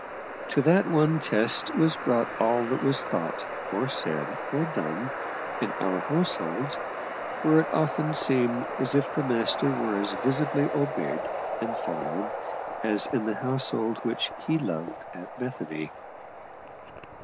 To that one test was brought all that was thought, or said, or done, in our household, where it often seemed as if the Master were as visibly obeyed and followed as in the household which He loved at Bethany.